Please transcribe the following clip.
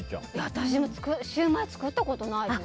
私、シューマイ作ったことないです。